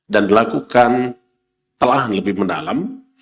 dan dilakukan telahan lebih mendalam